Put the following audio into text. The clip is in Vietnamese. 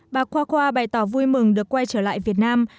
bà qua qua bày tỏ vui mừng được quay trở lại việt nam